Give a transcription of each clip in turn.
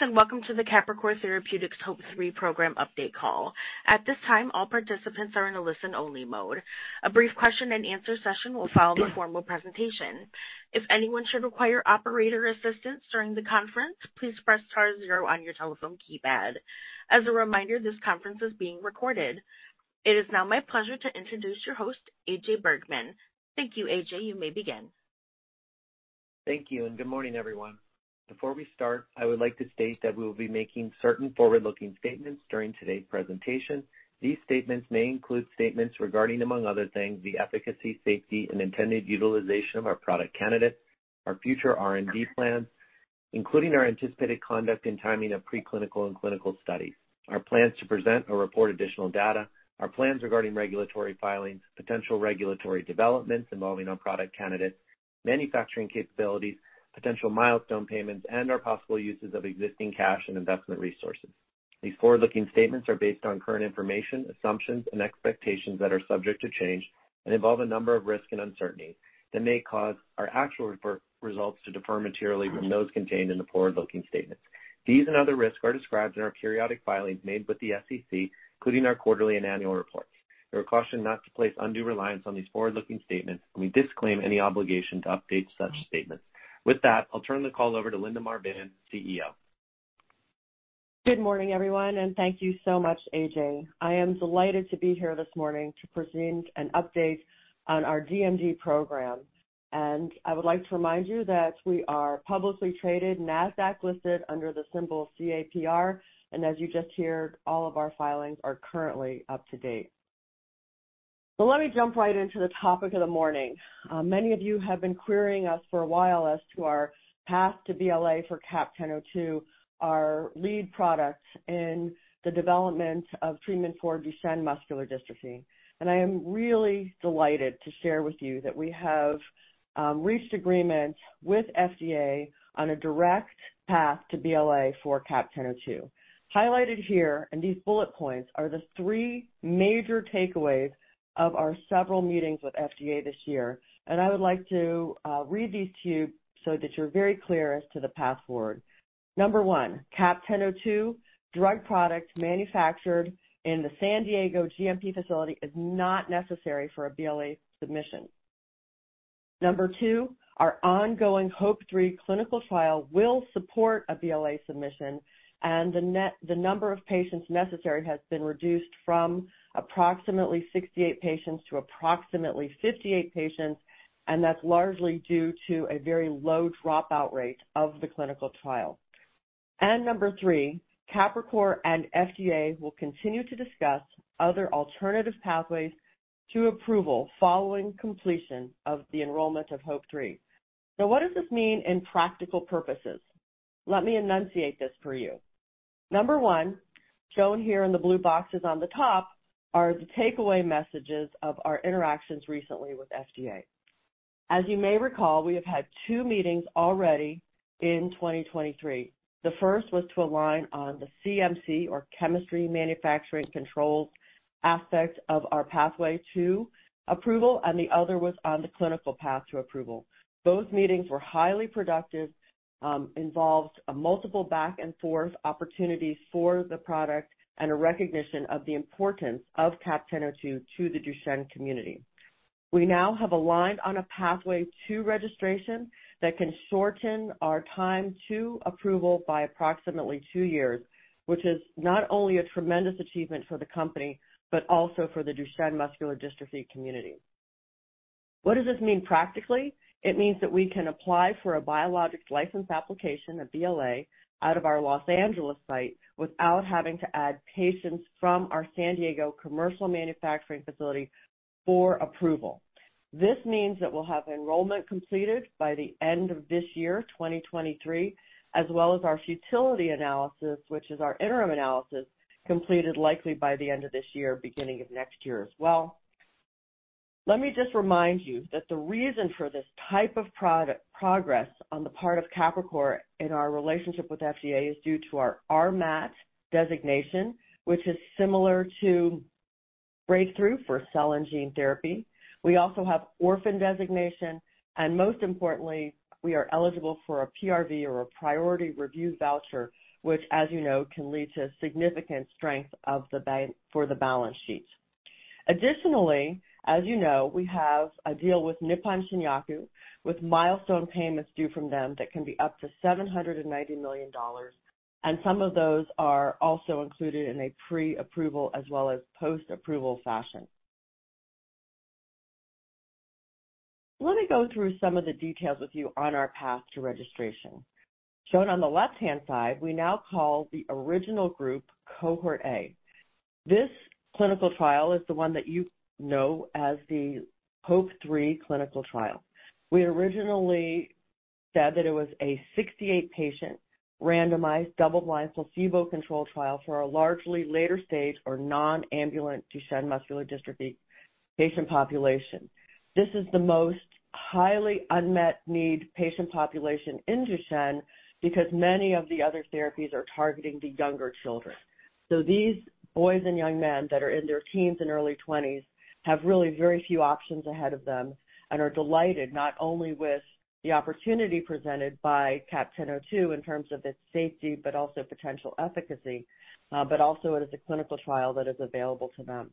Greetings, and welcome to the Capricor Therapeutics HOPE-3 program update call. At this time, all participants are in a listen-only mode. A brief question and answer session will follow the formal presentation. If anyone should require operator assistance during the conference, please press star zero on your telephone keypad. As a reminder, this conference is being recorded. It is now my pleasure to introduce your host, AJ Bergmann. Thank you, AJ. You may begin. Thank you, and good morning, everyone. Before we start, I would like to state that we will be making certain forward-looking statements during today's presentation. These statements may include statements regarding, among other things, the efficacy, safety, and intended utilization of our product candidates, our future R&D plans, including our anticipated conduct and timing of preclinical and clinical studies, our plans to present or report additional data, our plans regarding regulatory filings, potential regulatory developments involving our product candidates, manufacturing capabilities, potential milestone payments, and our possible uses of existing cash and investment resources. These forward-looking statements are based on current information, assumptions, and expectations that are subject to change and involve a number of risks and uncertainties that may cause our actual results to differ materially from those contained in the forward-looking statements. These and other risks are described in our periodic filings made with the SEC, including our quarterly and annual reports. You are cautioned not to place undue reliance on these forward-looking statements, and we disclaim any obligation to update such statements. With that, I'll turn the call over to Linda Marbán, CEO. Good morning, everyone, and thank you so much, AJ. I am delighted to be here this morning to present an update on our DMD program, and I would like to remind you that we are publicly traded, NASDAQ listed under the symbol CAPR, and as you just heard, all of our filings are currently up to date. So let me jump right into the topic of the morning. Many of you have been querying us for a while as to our path to BLA for CAP-1002, our lead product in the development of treatment for Duchenne muscular dystrophy. I am really delighted to share with you that we have reached agreements with FDA on a direct path to BLA for CAP-1002. Highlighted here in these bullet points are the three major takeaways of our several meetings with FDA this year, and I would like to read these to you so that you're very clear as to the path forward. Number one, CAP-1002 drug product manufactured in the San Diego GMP facility is not necessary for a BLA submission. Number two, our ongoing HOPE-3 clinical trial will support a BLA submission, and the number of patients necessary has been reduced from approximately 68 patients to approximately 58 patients, and that's largely due to a very low dropout rate of the clinical trial. Number three, Capricor and FDA will continue to discuss other alternative pathways to approval following completion of the enrollment of HOPE-3. So what does this mean in practical purposes? Let me enunciate this for you. Number one, shown here in the blue boxes on the top, are the takeaway messages of our interactions recently with FDA. As you may recall, we have had two meetings already in 2023. The first was to align on the CMC, or Chemistry, Manufacturing, and Controls, aspect of our pathway to approval, and the other was on the clinical path to approval. Those meetings were highly productive, involved multiple back and forth opportunities for the product and a recognition of the importance of CAP-1002 to the Duchenne community. We now have aligned on a pathway to registration that can shorten our time to approval by approximately two years, which is not only a tremendous achievement for the company, but also for the Duchenne muscular dystrophy community. What does this mean practically? It means that we can apply for a Biologic License Application, a BLA, out of our Los Angeles site without having to add patients from our San Diego commercial manufacturing facility for approval. This means that we'll have enrollment completed by the end of this year, 2023, as well as our futility analysis, which is our interim analysis, completed likely by the end of this year, beginning of next year as well. Let me just remind you that the reason for this type of progress on the part of Capricor in our relationship with FDA is due to our RMAT designation, which is similar to breakthrough for cell and gene therapy. We also have orphan designation, and most importantly, we are eligible for a PRV or a priority review voucher, which, as you know, can lead to significant strength of the for the balance sheet. Additionally, as you know, we have a deal with Nippon Shinyaku, with milestone payments due from them that can be up to $790 million, and some of those are also included in a pre-approval as well as post-approval fashion. Let me go through some of the details with you on our path to registration. Shown on the left-hand side, we now call the original group Cohort A. This clinical trial is the one that you know as the HOPE-3 clinical trial. We originally said that it was a 68-patient, randomized, double-blind, placebo-controlled trial for a largely later stage or non-ambulant Duchenne muscular dystrophy patient population. This is the most highly unmet need patient population in Duchenne because many of the other therapies are targeting the younger children.... So these boys and young men that are in their teens and early twenties have really very few options ahead of them and are delighted not only with the opportunity presented by CAP-1002 in terms of its safety, but also potential efficacy, but also it is a clinical trial that is available to them.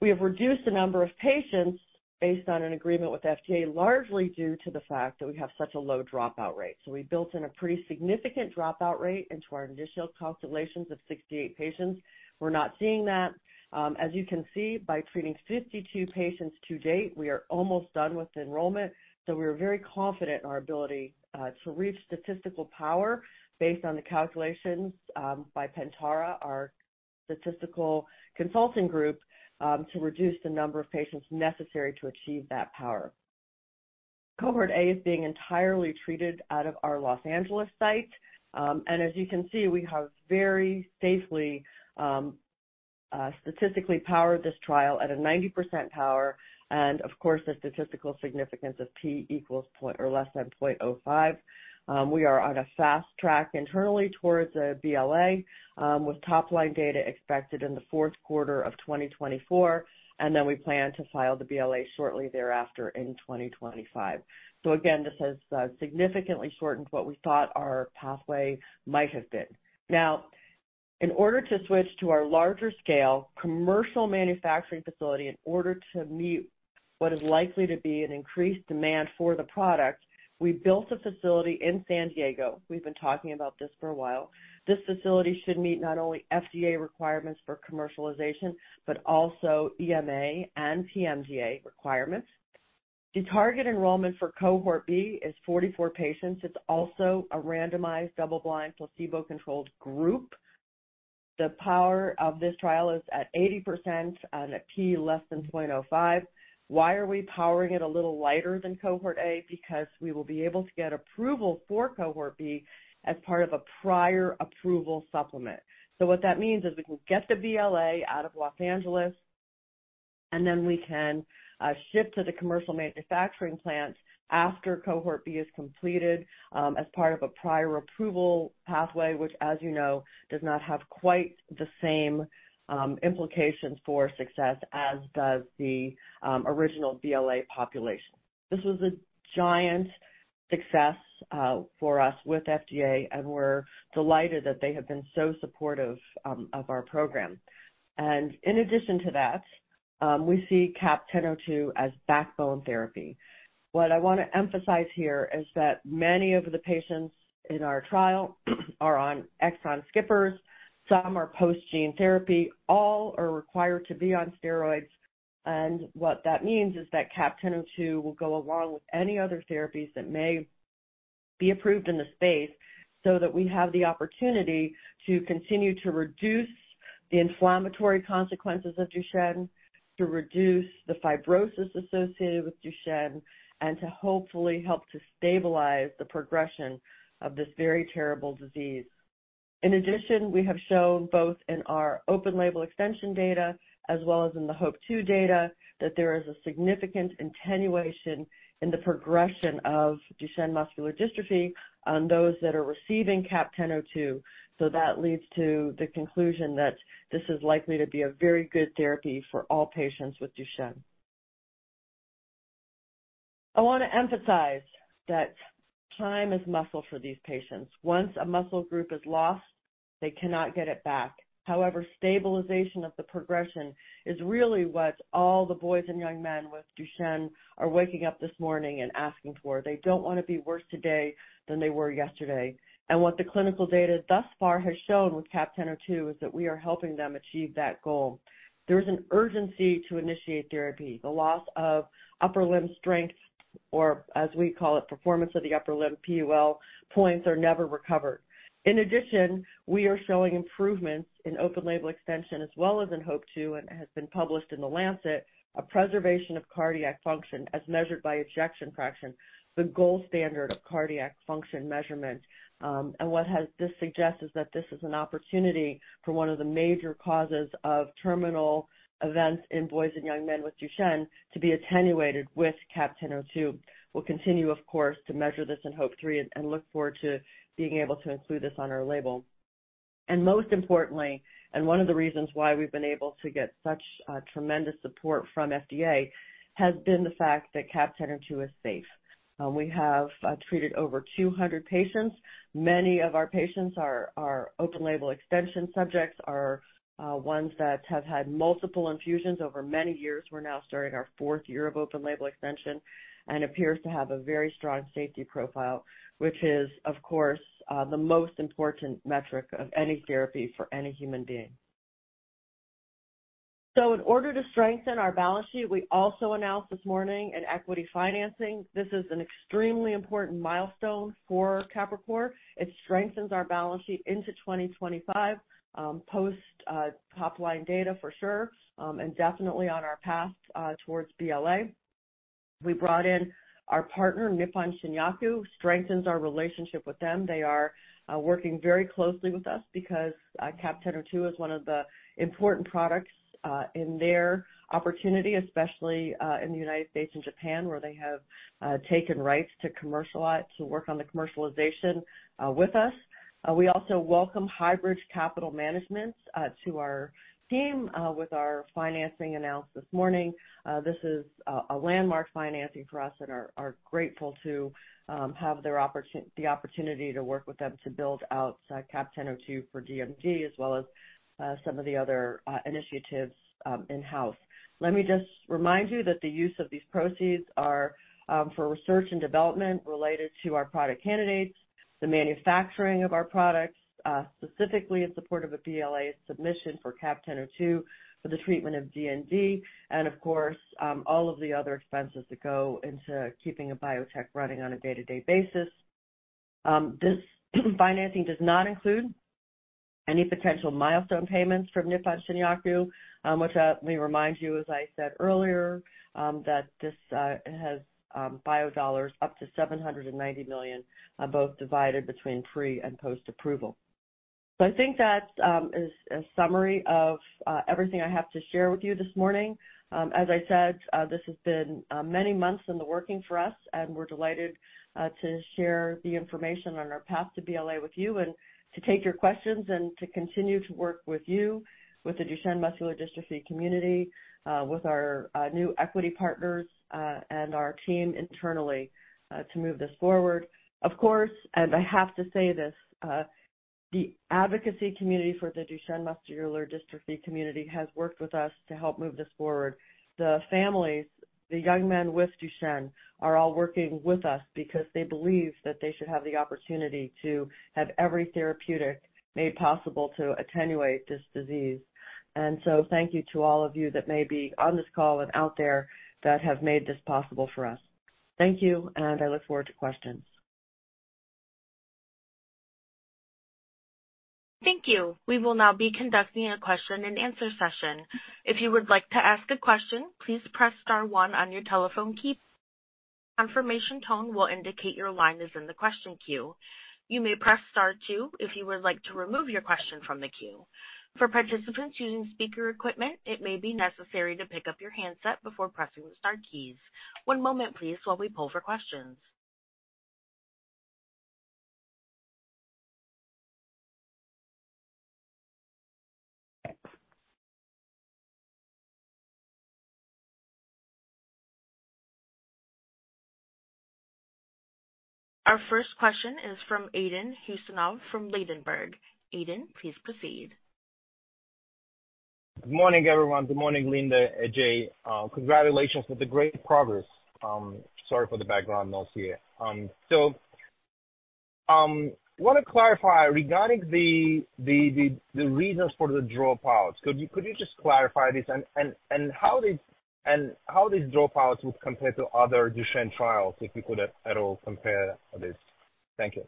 We have reduced the number of patients based on an agreement with FDA, largely due to the fact that we have such a low dropout rate. So we built in a pretty significant dropout rate into our initial calculations of 68 patients. We're not seeing that. As you can see, by treating 52 patients to date, we are almost done with enrollment, so we are very confident in our ability to reach statistical power based on the calculations by Pentara, our statistical consulting group, to reduce the number of patients necessary to achieve that power. Cohort A is being entirely treated out of our Los Angeles site. And as you can see, we have very safely statistically powered this trial at a 90% power and of course, a statistical significance of p=0.05 or less. We are on a fast track internally towards a BLA, with top-line data expected in the fourth quarter of 2024, and then we plan to file the BLA shortly thereafter in 2025. So again, this has significantly shortened what we thought our pathway might have been. Now, in order to switch to our larger scale commercial manufacturing facility, in order to meet what is likely to be an increased demand for the product, we built a facility in San Diego. We've been talking about this for a while. This facility should meet not only FDA requirements for commercialization, but also EMA and PMDA requirements. The target enrollment for Cohort B is 44 patients. It's also a randomized, double-blind, placebo-controlled group. The power of this trial is at 80% on a P less than 0.05. Why are we powering it a little lighter than Cohort A? Because we will be able to get approval for Cohort B as part of a Prior Approval Supplement. So what that means is we can get the BLA out of Los Angeles, and then we can ship to the commercial manufacturing plant after Cohort B is completed, as part of a prior approval pathway, which, as you know, does not have quite the same implications for success as does the original BLA population. This was a giant success for us with FDA, and we're delighted that they have been so supportive of our program. And in addition to that, we see CAP-1002 as backbone therapy. What I want to emphasize here is that many of the patients in our trial are on exon skippers, some are post-gene therapy, all are required to be on steroids. What that means is that CAP-1002 will go along with any other therapies that may be approved in the space, so that we have the opportunity to continue to reduce the inflammatory consequences of Duchenne, to reduce the fibrosis associated with Duchenne, and to hopefully help to stabilize the progression of this very terrible disease. In addition, we have shown both in our open label extension data as well as in the HOPE-2 data, that there is a significant attenuation in the progression of Duchenne muscular dystrophy on those that are receiving CAP-1002. So that leads to the conclusion that this is likely to be a very good therapy for all patients with Duchenne. I want to emphasize that time is muscle for these patients. Once a muscle group is lost, they cannot get it back. However, stabilization of the progression is really what all the boys and young men with Duchenne are waking up this morning and asking for. They don't want to be worse today than they were yesterday. What the clinical data thus far has shown with CAP-1002 is that we are helping them achieve that goal. There is an urgency to initiate therapy. The loss of upper limb strength, or as we call it, performance of the upper limb, PUL points, are never recovered. In addition, we are showing improvements in open label extension as well as in HOPE-2, and it has been published in The Lancet, a preservation of cardiac function as measured by ejection fraction, the gold standard of cardiac function measurement. And what this suggests is that this is an opportunity for one of the major causes of terminal events in boys and young men with Duchenne to be attenuated with CAP-1002. We'll continue, of course, to measure this in HOPE-3 and look forward to being able to include this on our label. And most importantly, and one of the reasons why we've been able to get such tremendous support from FDA, has been the fact that CAP-1002 is safe. We have treated over 200 patients. Many of our patients are open label extension subjects, ones that have had multiple infusions over many years. We're now starting our fourth year of open label extension and appears to have a very strong safety profile, which is, of course, the most important metric of any therapy for any human being. So in order to strengthen our balance sheet, we also announced this morning an equity financing. This is an extremely important milestone for Capricor. It strengthens our balance sheet into 2025, post top-line data for sure, and definitely on our path towards BLA. We brought in our partner, Nippon Shinyaku, strengthens our relationship with them. They are working very closely with us because CAP-1002 is one of the important products in their opportunity, especially in the United States and Japan, where they have taken rights to commercialize, to work on the commercialization with us. We also welcome Highbridge Capital Management to our team with our financing announced this morning. This is a landmark financing for us, and we are grateful to have the opportunity to work with them to build out CAP-1002 for DMD, as well as some of the other initiatives in-house. Let me just remind you that the use of these proceeds are for research and development related to our product candidates, the manufacturing of our products, specifically in support of a BLA submission for CAP-1002 for the treatment of DMD, and of course, all of the other expenses that go into keeping a biotech running on a day-to-day basis. This financing does not include any potential milestone payments from Nippon Shinyaku, which, let me remind you, as I said earlier, that this has bio-dollars up to $790 million, both divided between pre and post-approval. So I think that is a summary of everything I have to share with you this morning. As I said, this has been many months in the working for us, and we're delighted to share the information on our path to BLA with you and to take your questions and to continue to work with you, with the Duchenne muscular dystrophy community, with our new equity partners, and our team internally to move this forward. Of course, and I have to say this, the advocacy community for the Duchenne muscular dystrophy community has worked with us to help move this forward. The families, the young men with Duchenne, are all working with us because they believe that they should have the opportunity to have every therapeutic made possible to attenuate this disease. Thank you to all of you that may be on this call and out there that have made this possible for us. Thank you, and I look forward to questions. Thank you. We will now be conducting a question and answer session. If you would like to ask a question, please press star one on your telephone key. Confirmation tone will indicate your line is in the question queue. You may press star two if you would like to remove your question from the queue. For participants using speaker equipment, it may be necessary to pick up your handset before pressing the star keys. One moment please, while we poll for questions. Our first question is from Aydin Huseynov from Ladenburg. Aydin, please proceed. Good morning, everyone. Good morning, Linda, AJ. Congratulations with the great progress. Sorry for the background noise here. Want to clarify regarding the reasons for the dropouts. Could you just clarify this and how these dropouts would compare to other Duchenne trials, if you could at all compare this? Thank you.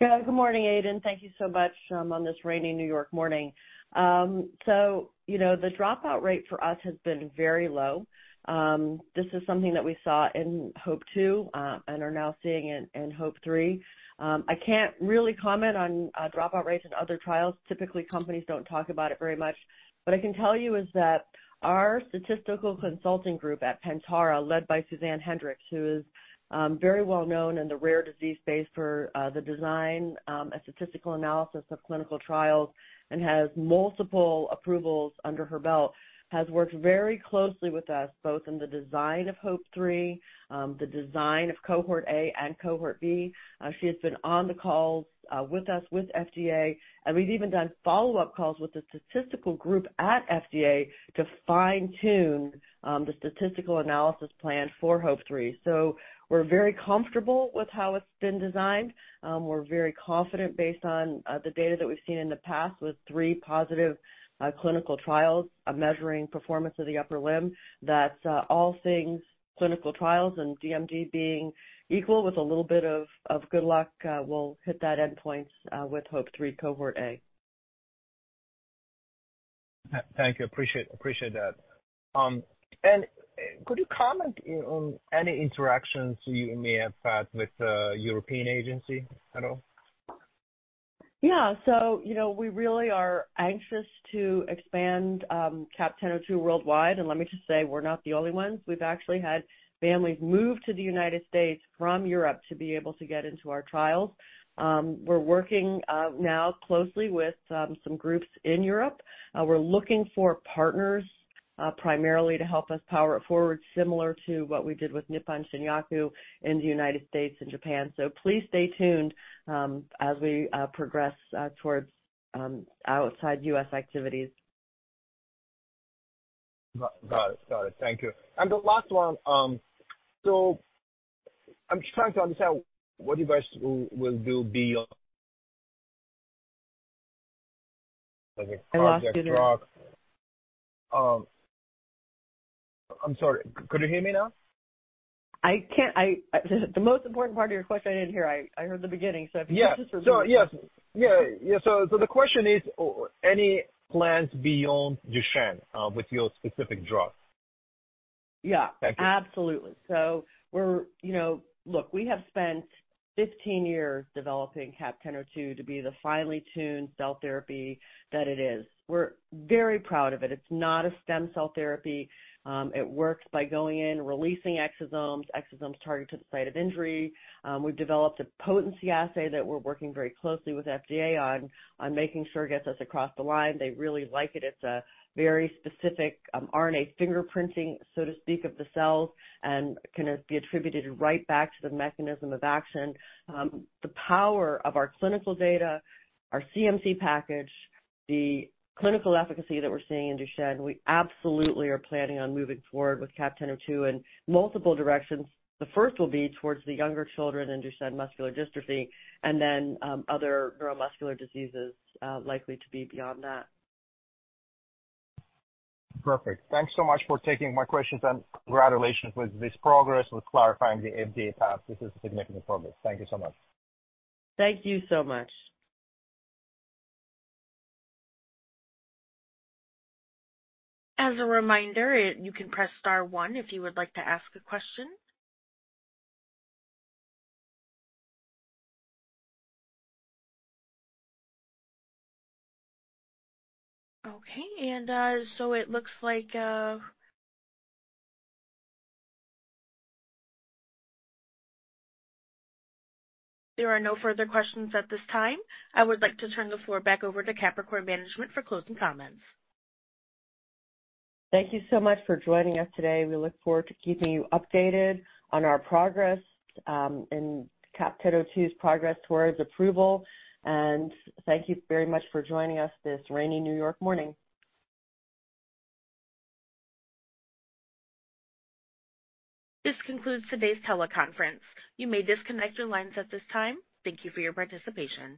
Yeah. Good morning, Aydin. Thank you so much on this rainy New York morning. So, you know, the dropout rate for us has been very low. This is something that we saw in HOPE-2 and are now seeing in HOPE-3. I can't really comment on dropout rates in other trials. Typically, companies don't talk about it very much. What I can tell you is that our statistical consulting group at Pentara, led by Suzanne Hendrix, who is very well known in the rare disease space for the design and statistical analysis of clinical trials and has multiple approvals under her belt, has worked very closely with us, both in the design of HOPE-3, the design of Cohort A and Cohort B. She has been on the calls with us, with FDA, and we've even done follow-up calls with the statistical group at FDA to fine-tune the statistical analysis plan for HOPE-3. So we're very comfortable with how it's been designed. We're very confident based on the data that we've seen in the past with three positive clinical trials measuring performance of the upper limb, that all things clinical trials and DMD being equal, with a little bit of good luck, we'll hit that endpoint with HOPE-3 Cohort A. Thank you. Appreciate, appreciate that. And could you comment on any interactions you may have had with the European agency at all? Yeah. So, you know, we really are anxious to expand, CAP-1002 worldwide. And let me just say, we're not the only ones. We've actually had families move to the United States from Europe to be able to get into our trials. We're working, now closely with, some groups in Europe. We're looking for partners, primarily to help us power it forward, similar to what we did with Nippon Shinyaku in the United States and Japan. So please stay tuned, as we progress towards outside U.S. activities. Got it. Got it. Thank you. The last one, I'm just trying to understand what you guys will do beyond I lost you there. I'm sorry. Could you hear me now?... I can't, I, the most important part of your question I didn't hear. I, I heard the beginning, so if you could just repeat. Yeah. So, yes. Yeah, yeah. So, the question is, any plans beyond Duchenne with your specific drug? Yeah, absolutely. So we're... You know, look, we have spent 15 years developing CAP-1002 to be the finely tuned cell therapy that it is. We're very proud of it. It's not a stem cell therapy. It works by going in, releasing exosomes, exosomes target to the site of injury. We've developed a potency assay that we're working very closely with FDA on, on making sure it gets us across the line. They really like it. It's a very specific, RNA fingerprinting, so to speak, of the cells and can be attributed right back to the mechanism of action. The power of our clinical data, our CMC package, the clinical efficacy that we're seeing in Duchenne, we absolutely are planning on moving forward with CAP-1002 in multiple directions. The first will be towards the younger children in Duchenne muscular dystrophy and then, other neuromuscular diseases, likely to be beyond that. Perfect. Thanks so much for taking my questions, and congratulations with this progress with clarifying the FDA path. This is a significant progress. Thank you so much. Thank you so much. As a reminder, you can press star one if you would like to ask a question. Okay, and, so it looks like, there are no further questions at this time. I would like to turn the floor back over to Capricor management for closing comments. Thank you so much for joining us today. We look forward to keeping you updated on our progress, and CAP-1002's progress towards approval. Thank you very much for joining us this rainy New York morning. This concludes today's teleconference. You may disconnect your lines at this time. Thank you for your participation.